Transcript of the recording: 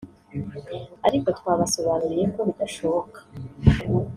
ariko twabasobanuriye ko bidashoboka